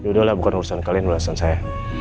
yaudahlah bukan urusan kalian urusan saya